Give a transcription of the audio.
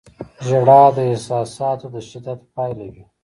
• ژړا د احساساتو د شدت پایله وي.